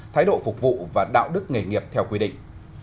thái độ phục vụ và đạo đức nghề nghiệp theo quy định